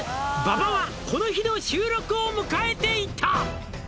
「馬場はこの日の収録を迎えていた」